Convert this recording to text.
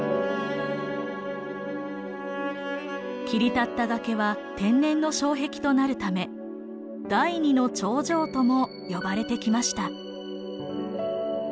切り立った崖は天然の障壁となるため第２の長城とも呼ばれてきました。